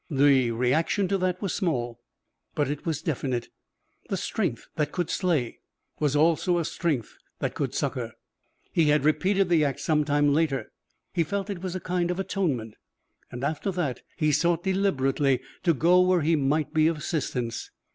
The reaction to that was small, but it was definite. The strength that could slay was also a strength that could succour. He had repeated the act some time later. He felt it was a kind of atonement. After that, he sought deliberately to go where he might be of assistance.